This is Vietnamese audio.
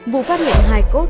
vụ phát hiện hai cốt